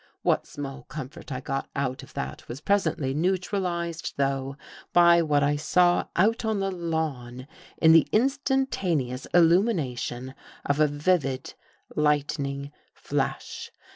What small comfort I got out of that was pres ently neutralized though, by what I saw out on the lawn in the instantaneous illumination of a vivid lightning flash.